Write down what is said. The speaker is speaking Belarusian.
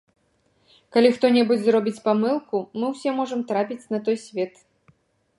Калі хто-небудзь зробіць памылку, мы ўсе можам трапіць на той свет.